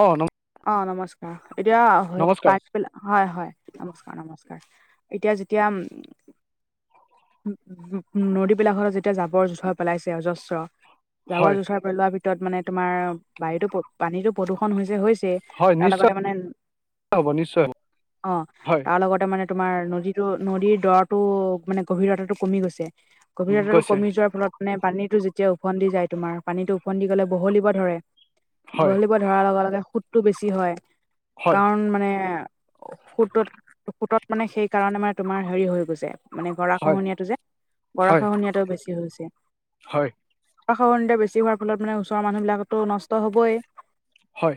অ' নম অ' নমস্কাৰ এতিয়া নমস্কাৰ পাটবেলা হয়-হয়, নমস্কাৰ-নমস্কাৰ এতিয়া যেতিয়া উম' উম' উম' নদীবিলাকত যেতিয়া জাবৰ-জোথৰ পেলাইছে অজস্ৰ হয় জাৱৰ-জোথৰ পেলোৱাৰ ভিতৰত মানে তোমাৰ বায়ুতো, পানীতো প্ৰদূষণ হৈছে-হৈছে। হৈছে, হয় তাৰ নিশ্চয় লগতে মানে হ'ব নিশ্চয় হ'ব অ' হয় তাৰ লগতে মানে তোমাৰ নদীটো নদীৰ দৰৰতো মানে গভীৰতা টো কমি গৈছে। গভীৰতা টো গৈছে কমি যোৱাৰ ফলত মানে পানীতো যেতিয়া ওফন্দি যায় তোমাৰ, পানীতো ওফন্দি গ'লে বহলিব ধৰে হয় বহলিব ধৰাৰ লগে-লগে সোতটো বেছি হয়, হয় কাৰণ মানে সোতত-সোতত মানে সেইকাৰণে মানে তোমাৰ হেৰি হৈ গৈছে। মানে গৰা হয় খহনীয়াটো যে, গৰা হয় খহনীয়াটোও বেছি হৈছে। হয় গৰাখহনীয়াটো বেছি হোৱাৰ ফলত মানে ওচৰ মানুহবিলাকতো নষ্ট হ'বই। হয়।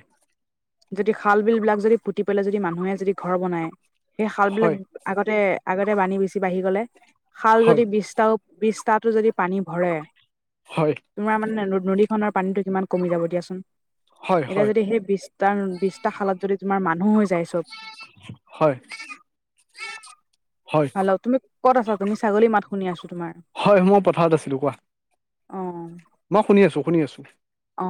যদি খাল, বিল বিলাক যদি পুতি পেলাই, যদি মানুহে যদি ঘৰ বনাই, সেই খাল বিলাক হয় হয় আগতে আগতে বানী বচি বাঢ়ি গলে খাল হয় যদি বিছটাও। বিছ তাতো যদি পানী ভৰে। হয়। তোমাৰ মানে নদীখনৰ পানীতটো কিমান কমি যাব দিয়াচোন। হয় এতিয়া যদি সেই। বিশটা বিশটা খালত যদি তোমাৰ মানুহ হৈ যাইছো। হয়। হয় [inaudible] হেল্ ' তুমি কত আছা তুমি ছাগলী মাত শুনি আছো তোমাৰ। হয় মই পথাৰত আছিলো কোৱা অঁ। মই শুনি আছোঁ শুনি আছোঁ। অ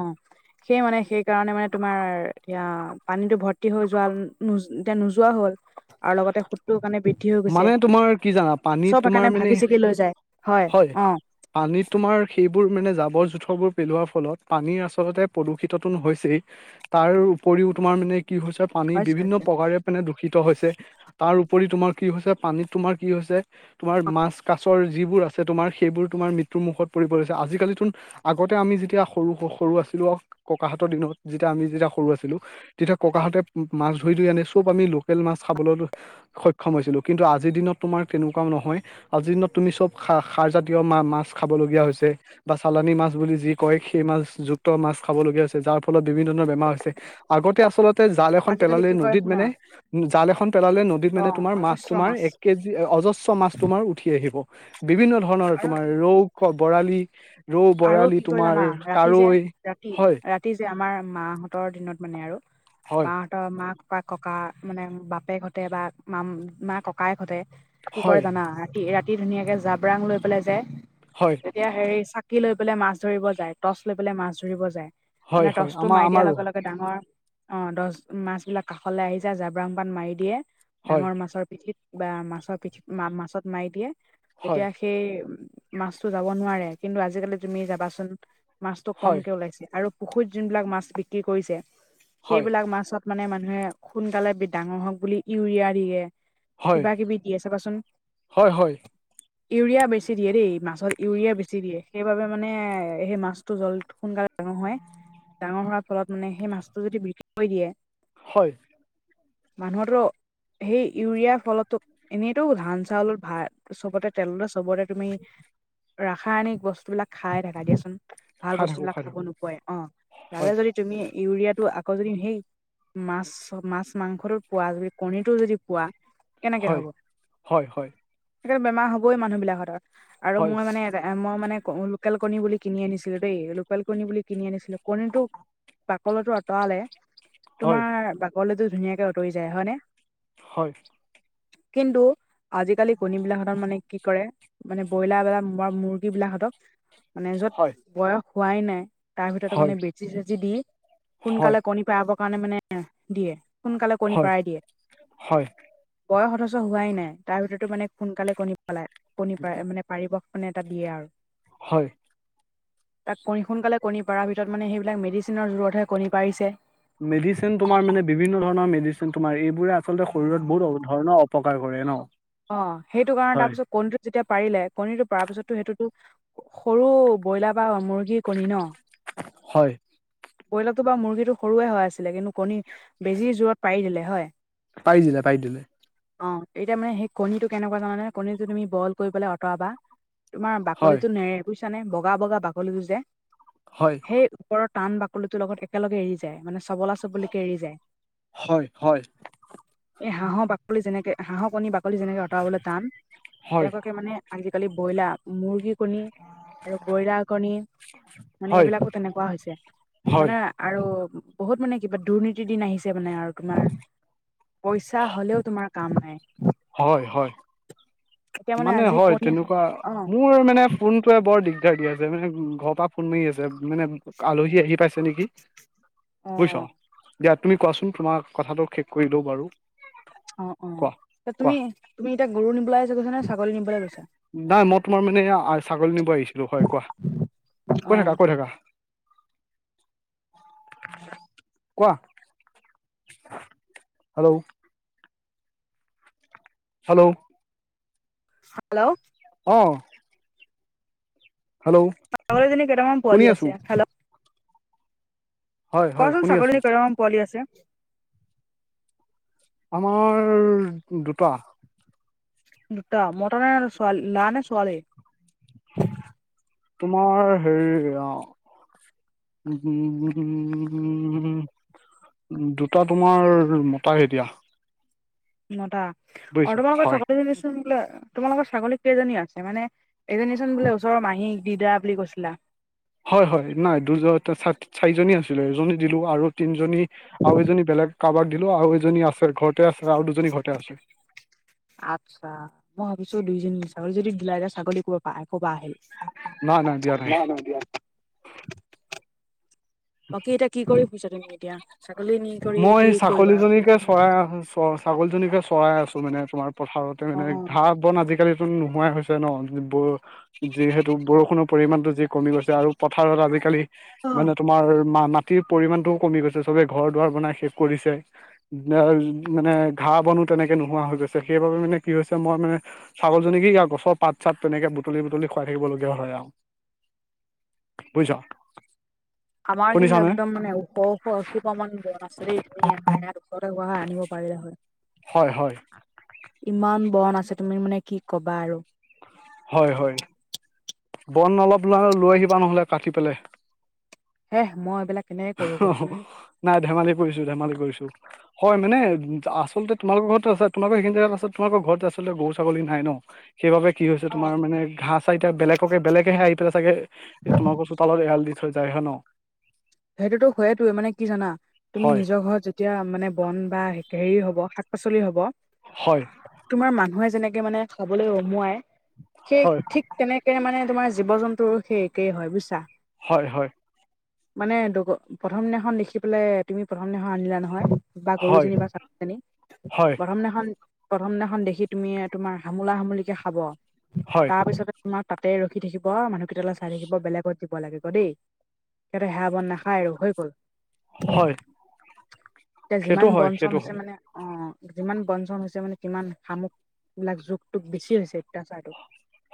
সেই মানে সেইকাৰণে মানে তোমাৰ এতিয়া পানীতটো ভৰ্তি হৈ যোৱা এতিয়া নোযোৱা হ'ল। আৰু লগতে খু। টো কাৰণে বৃদ্ধি হৈ মানে গৈছে তোমাৰ কি জানা পানীত চব সে তোমাৰ কাৰণে মানে ভাগি চাগি লৈ যায় হয় অ। পানীত তোমাৰ সেইবোৰ মানে জাৱৰ জোঁথৰবোৰ পেলোৱাৰ ফলত পানী আচলতে প্ৰদূষিতটোন হৈছেই। তাৰ উপৰিও তোমাৰ মানে কি হৈছে,। পানী বিভিন্ন প্ৰকাৰে মানে দূষিত হৈছে তাৰ উপৰি তোমাৰ কি হৈছে পানীত তোমাৰ কি হৈছে। তোমাৰ মাছ কাছৰ যিবোৰ আছে তোমাৰ সেইবোৰ তোমাৰ মৃত্যুৰ মুখত পৰিব লৈছে আজিকালিচূণ। আগতে আমি যেতিয়া সৰু সৰু আছিলো ককাহাতৰ দিনত যেতিয়া আমি যেতিয়া সৰু আছিলো। তেতিয়া ককাহঁতে মাছ ধৰি ধৰি আনে চব আমি লোকেল মাছ খাবলৈ ক্ষয়। খম হৈছিলোঁ কিন্তু আজিৰ দিনত তোমাৰ তেনেকুৱাও নহয়। আজিৰ দিনত তুমি চব খা খাৰ জাতীয়া মাছ খাবলগীয়া হৈছে। বা চালানী মাছ বুলি যি কয় সেই মাছ যুক্ত মাছ খাবলগীয়া হৈছে যাৰ ফলত বিভিন্ন ধৰণৰ বেমাৰ হৈছে। আগতে আচলত। তে জাল এখন আজিকালি পেলালে কি কৰে নদীত শুনা মানে জাল এখন পেলালে নদীত মানে অ', তোমাৰ মাছ অজস্ৰ তোমাৰ এক কেজি। অজস্ৰ মাছ তোমাৰ উঠি আহিব বিভিন্ন ধৰণৰ আৰু তোমাৰ ৰৌ বৰালি। ৰৌ আৰু বৰালি কি কৰে তোমাৰ কাৱৈ হয়। ই যে আমাৰ মাহঁতৰ দিনত মানে আৰু হয় মাহ। ত মা কক ককা মানে বাপেক হটে বা মা মা ককাই হটে। কি হয় কৰে জানা ৰাতি ৰাতি ধুনীয়াকে জাবৰাং লৈ পেলাই যায়। হয়। এতিয়া হেৰি চাকি লৈ পেলাই মাছ ধৰিব যায় টৰ্চ লৈ পেলাই মাছ ধৰিব যায়। হয় মানে হয় টচ টো আমাৰ মাৰ দিয়াৰ আমাৰো লগে লগে। ডাঙৰ অ দহ মাছ বিলাক কাষলৈ আহি যায় জাবৰাং পাত মাৰি দিয়ে। হয় ডাঙৰ মাছৰ পিঠিত বা মাছৰ পিঠিত মাছত মাৰি দিয়ে হয় তেতিয়া। সেই মাছতটো যাব নোৱাৰে কিন্তু আজিকালি তুমি যাবাচোন। মাছটো হয় কমকে ওলাইছে আৰু পুখুৰীত যোনবিলাক মাছ বিক্ৰী কৰিছে হয় সেইবিলাক মাছত। মানে মানুহে সোনকালে ডাঙৰ হওক বুলি ইউৰিয়া দিয়ে। হয় কিবা কিবি দিযে চাবাচোন। হয় হয় হয় ইউৰিয়া বেছি দিয়ে দেই মাছত ইউৰিয়া বেছি দিয়ে। সেইবাবে মানে সেই মাছটো জল সোনকালে ডাঙৰ হয়। ডাঙৰ হোৱাৰ ফলত মানে সেই মাছটো যদি বিক্ৰী কৰি দিয়ে। হয়। মানুহৰ ত। সেই ইউৰিয়া ফলতো এনেইতো ধান চাউলত ভাত চবতে। তেনলে চবতে তুমি ৰাসায়নিক বস্তু বিলাক খাই থাকা দিয়াচোন। ভাল বস্তু থাকো বিলাক খাই খাব থাকো নোপোৱাই অ তাৰে হয়, যদি তুমি ইউৰিয়াটো আকৌ যদি সি মাছ মাছ মাংসোটো পোৱা যদি কণীটো যদি পোৱা কেনেকে হয়, হ'ব হয়, হয়, সেই বেমাৰ হবই মানুহ বিলাকত আৰু হয়, মই মানে মই মানে লোকেল কণী বুলি কিনি আনিছিলো দেই লোকেল কণী বুলি কিনি আনিছিলো কণীটো বাকলিটো আঁতৰালে হয়, তোমাৰ বাকলিটো ধুনীয়াকে আঁতৰি যায় হয়নে? হয়। কিন্তু আজিকালি কণী বিলাক হতৰ মানে কি কৰে মানে ব্ৰইলাৰ বিলক বা মুৰ্গী বিলাক হতক মানে য'ত হয়, বয়স হোৱাই নাই তাৰ ভিতৰত হয়, মানে বেচি চেচি দি হয়, সোনকালে কণী পৰাবৰ কাৰণে মানে দিয়ে সোনকালে কণী হয়, পৰাই দিয়ে। হয়, বয়স অথচ হোৱাই নাই তাৰ ভিতৰতো মানে সোনকালে কণী পেলাই কণী পাই মানে পাৰিবস মানে এটা দিয়ে আৰু। হয়। তাক কণী সোনকালে কণী পাৰ ভিতৰত মানে সেইবিলাক মেডিচনৰ জোৰতহে কনী পাৰিছে। মেডিচিন তোমাৰ মানে বিভিন্ন ধৰণৰ মেডিচিন তোমাৰ এইবোৰে আচলতে শৰীৰত বহুত ধৰণৰ অপকাৰ কৰে ন? অ সেইটো কাৰণ হয়, তাৰপিছত কনী টো যেতিয়া পাৰিলে কণীটো পাৰ পিছতটো সেইটোতো সৰু ব্ৰইলাৰ বা মুৰ্গীৰ কণী ন? হয়। ব্ৰইলাৰটো বা মুৰ্গীটো সৰুয়ে হয় আছিলে কিন্তু কণী বেছি জোৰত পাৰি দিলে হয়। পাৰি দিলে পাৰি দিলে। অ এতিয়া মানে সেই কণীটো কেনেকুৱা জানে কণীটো তুমি বইল কৰি পেলাই আঁতৰাবা তোমাৰ হয়, বাকলিটো নেৰে বুজিছা নে বগা বগা বাকলিটো যে। হয়। সেই ওপৰৰ টান বাকলি টোৰ লগত একেলগে এৰি যায় মানে চবলা চবলকে এৰি যায়। হয় হয়। এই হাঁহ বাকলি যেনেকে হাঁহ কণী বাক বাকলি যেনেকৈ অঁতৰাবলৈ টান হয়, তেনকাকে মানে আজিকালি ব্ৰইলা মুৰ্গী কণী আৰু কইলাৰ কণী মানে হয়, এইবিলাকো তেনেকুৱা হৈছে। হয়, মানে আৰু বহুত মানে কিবা দুৰ্নীতিৰ দিন আহিছে মানে আৰু তোমাৰ। পইচা হ'লেও তোমাৰ কাম নাই। হয় হয়। এতিয়া মানে আজি হয় কণী তেনেকুৱা অ মোৰ মানে ফোনটোৱে বৰ দিগদাৰ দি আছে মানে ঘৰৰ পৰা ফোন মাৰি আছে মানে আলহী আহি পাইছে নেকি। [inaudible] বুজিছ, দিয়া তুমি কোৱাচোন তোমাক কথাটো শেষ কৰিলও বাৰু। অ অ কোৱা কোৱা তুমি তুমি এতিয়া গৰু নিবলৈ আহিছোঁ কৈছা নে ছাগলী নিবলৈ গৈছা? নাই মই তোমাৰ মানে ছাগলী নিব আহিছিলো হয় কোৱা, অ কৈ থাকা কৈ থাকা। কোৱা। হেল্ল'। হেল্ল'। হেল্ল'। অঁহ। ছাগলী জনি কেইটামান শুনি পোৱালি আছো আছে। হেল্ল'। হয় কোৱা হয় চোন শুনি আছো ছাগলী কেইটামান পোৱালি আছে। আমাৰ, দুটা। দুটা। মতা নে ছোৱালী? ল'ৰা নে ছোৱালী? তোমাৰ হেৰি অ'। উ, উ। দুটা তোমাৰ মতায়ে দিয়া। নটা। অৰ বুজিছা তোমাৰলোকৰ হয় চকটনি নিচোন বোলে তোমালোকৰ ছাগলী কেইজনী আছে? মানে এজনী চোন বোলে ওচৰৰ মাহীক দি দা বুলি কৈছিলা। হয়, হয়। নাই দুজন চাৰিজনী আছিলে, এজনী দিলো আৰু তিনজনী আৰু এজনী বেলেগ কাৰোবাক দিলোঁ আৰু এজনী আছে, ঘৰতে আছে আৰু দুজনী ঘৰতে আছে। আচ্ছা। মই ভাবিছো, দুইজনী ছাগলী যদি দিলাই যে ছাগলী ক'ব ক'বা আহিল। না, না। দিয়া নাই। অ, দিয়া। বাকী এতিয়া কি কৰি [unintelligible] তুমি এতিয়া। ছাগলী নি কৰি কি কৰিবা [unintelligible] অ, ছাগলজনীকে চৰাই আছো মানে তোমাৰ পথাৰতে অ মানে ধাপ' বন আজিকালিটো নোহোৱাই হৈছে ন'। বৰো যিহেতু বৰষুণৰ পৰিমাণটো যি কমি গৈছে আৰু পথাৰত আজিকালি অ মানে তোমাৰ মা মাটিৰ পৰিমানটোও কমি গৈছে, চবে ঘৰ দুৱাৰ বনাই শেষ কৰিছে। এ মানে ঘাঁ-বনো তেনেকে নোহোৱা হৈ গৈছে, সেইবাবে মানে কি হৈছে মই মানে ছাগলজনী কি গা-গছৰ পাত-চাত তেনেকে বুটলি-বুটলি খুৱাই থাকিবলগীয়া হয় আৰু। বুইছ'। আমাৰ কিন্তু একদম মানে ওখ ওখ অখুপামান বন আছে দেই। তুমি আমাৰ ইয়াত [unintelligible] বহা আনিব পাৰিলে হয়। হয়, হয়। ইমান বৰন আছে, তুমি মানে কি ক'বা আৰু। হয়, হয়। বন অলপ লাও লৈ আহিবা নহ'লে, কাটি পেলাই। হেহ, মই এইবিলাক কেনেকে কৰো গৈ তুমি? নাই, ধেমালি কৰিছোঁ ধেমালি কৰিছোঁ। হয়, মানে আচলতে তোমালোকৰ ঘৰত থসে। তোমালোকৰ সেইখিনি জাগাত ফাছত তোমোলোকৰ ঘৰতে আচলতে গৰু ছাগলী নাই ন'? সেইবাবে কি হৈছে অ তোমাৰ মানে ঘাঁহ চাহ ইতা বেলেগ [unintelligible] বেলেগেহে আহি পেলাই চাগে এ তোমালোকৰ চোতালত এৰাল দি থৈ যায় হ ন'? সেইটোতো হয়েইটো মানে কি জানা তুমি হয় নিজৰ ঘৰত যে তিয়া মানে বন বা হেৰি হ'ব শাক পাচলি হ'ব। হয়। তোমাৰ মানুহে যেনেকে মানে খাবলৈ অমোৱাই, সেই হয় ঠিক তেনেকে মানে তোমাৰ জীৱ-জন্তুৰো সেই একেই হয় বুজিছা। হয়, হয়। মানে ড'গ, প্ৰথম দিনাখন দেখি পেলাই তুমি প্ৰথম দিনাখন আনিলা নহয়। বা হয় গৰুজনী বা চাকজনী, হয় প্ৰথম দিনাখন প্ৰথম দিনাখন দেখি তুমি তোমাৰ হামোলা-হামূলিকে খাব। হয়। তাৰপিছতে তোমাক তাতে ৰখি থাকিব মানুহকেইটালৈ চাই থাকিব, বেলেগত দিব লাগিব দেই। সিহঁতে সেয়া বন নাখায় আৰু হৈ গ'ল। হয় এতিয়া সেইটো যিমান হয় বন-চন সেইটো হৈছে হয় মানে অ যিমান বন-চন হৈছে মানে সিমান শামুক লাক জুক-তোক বেছি হৈছে, অত্যাচাৰী।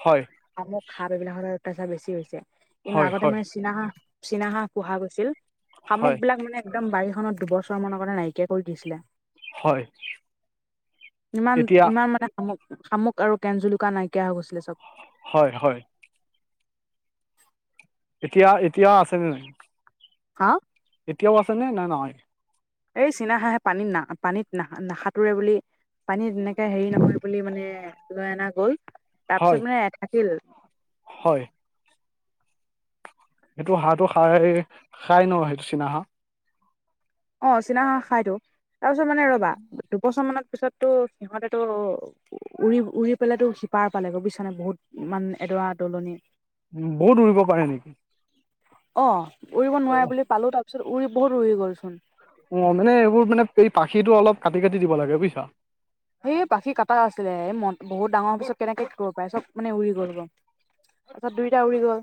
হয়। শামুক সাপ এইবিলাকৰ অত্যাচাৰ বেছি হৈছে কিন্তু হয় আগতে হয় মানে চীনা বা। চীনা হাঁ পোহা গৈছিল শামুক হয় বিলাক মানে। একদম বাৰীখনত দুবছৰ মৰ কথা নাইকিয়া কৰি দিছিলে। হয় ইমান এতিয়া ইমান মটা। শামুক শামুক আৰু কেন জুলুকা নাইকিয়া হৈ গৈছিলে চব। হয় হয়। এতিয়া এতিয়া আছেনে নাই। হা। এতিয়াও আছেনে নে নহয়। এই চীনা হাঁহে পানীত না পানীত না সাঁতোৰে বুলি পানীত এনেকে হেৰি নকৰি। বুলি মানে লৈ অনা গল তাৰ হয় পিছত মানে থাকিল। হয়। সেইটো হাঁহটো খাই খাই ন চীনা হাঁহ। অ চীনা হাঁহ খাইো তাৰপিছত মানে ৰবা দুবছৰ মানৰ পিছত। তো সিহঁতেটো উৰি উৰি পেলো সিপাৰ পালে গ বুজিছা নে বহুত মানে। এডৰা দলনি। উম বহুত উৰিব পাৰে নেকি। অ উৰিব নোৱাৰে অ বুলি পালো তাৰপিছত উৰি বহুত উৰি গ'লচোন। অ মানে এইবোৰ মানে এই পাখিটো অলপ কাটি কাটি দিব লাগে বুজিছা। সেই পাখিকটা আছিলে বহুত ডাঙৰ পিছত কেনেকে কৰিব পাৰে চব মানে উৰি গ'ল গ। তাৰপছত দুইোটা উৰি গ'ল।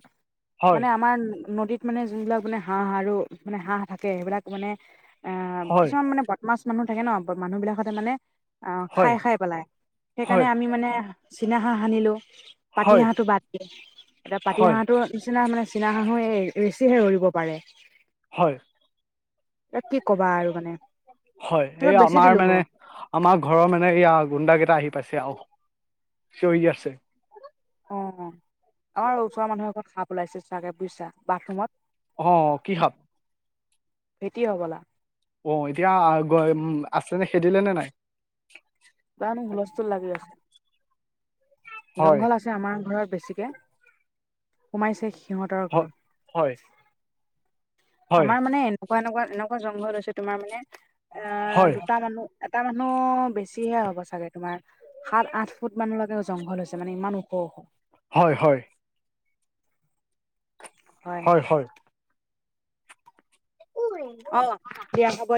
হয় মানে আমাৰ নদীত মানে যোনবিলাক মানে হাঁহ আৰু মানে হাঁহ থাকে সেইবিলাক মানে। অ হয় কিছুমান মানে বদমাছ মানুহ থাকে ন মানুহ বিলাকতে মানে। অ খাই হয় খাই পেলাই সেইকাৰণে হয় আমি মানে চীনা হাঁহ সানিলোঁ। পাতি হয় হাঁহটো বাদ দিয়ে এতিয়া পাতি হয় হাঁহটো। নিচিনা মানে চীনা হাঁহু বেছিহে উৰিব পাৰে। হয় এ কি কবা আৰু মানে হয় এই ত বেছি আমাৰ দিলো মানে ক। আমাৰ ঘৰৰ মানে এইয়া গুণ্ডা কেইটা আহি পাইছে আহ চিঞৰি আছে। অ আমাৰ ওচৰ মানুহে এঘৰত সাপ ওলাইছে চাগে বুজিছা বাথৰুমত। অ কি সাপ। ভেটি হ'বলা। অ এতিয়া আ গ উম আছে নে খেদিলে নে নাই। জানো হুলস্থুল লাগি আছে হয় জংঘল আছে। আমাৰ ঘৰত বেছিকে সোমাইছে সিহঁতৰ হয় ঘৰত। হয়। হয় আমাৰ মানে এনেকুৱা এনেকুৱা এনেকুৱা জংঘল হৈছে তোমাৰ মানে এ হয় দুটা মানুহ। এটা মানুহ বেছিহে হ'ব চাগে তোমাৰ সাত আঠ ফুট মানলৈকে জংঘল হৈছে মানে ইমান ও। হ হ। হয় হয়। হয়। হয় হয়। উই। অ দিয়া হ'ব।